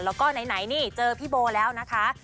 แล้วก็ไหนนี่เจอพี่โบแล้วนะคะ